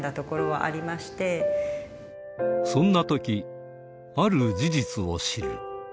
そんなとき、ある事実を知る。